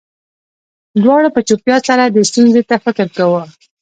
دواړو په چوپتیا سره دې ستونزې ته فکر کاوه